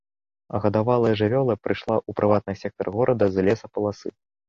Гадавалая жывёла прыйшла ў прыватны сектар горада з лесапаласы.